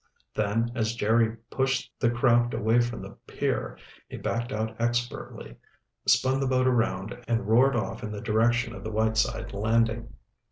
Then as Jerry pushed the craft away from the pier, he backed out expertly, spun the boat around, and roared off in the direction of the Whiteside landing.